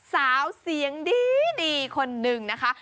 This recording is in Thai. สาวเสียงดีคนนึงนะคะ